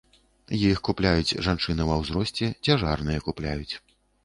Іх купляюць жанчыны ва ўзросце, цяжарныя купляюць.